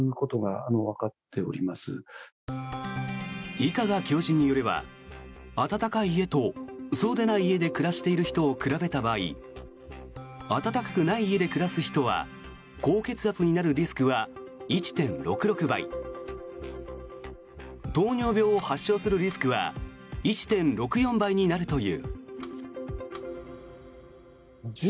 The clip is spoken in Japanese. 伊香賀教授によれば暖かい家とそうでない家で暮らしている人を比べた場合暖かくない家で暮らす人は高血圧になるリスクは１．６６倍糖尿病を発症するリスクは１．６４倍になるという。